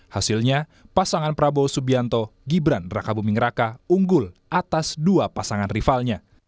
hasilnya pasangan prabowo subianto gibran raka buming raka unggul atas dua pasangan rivalnya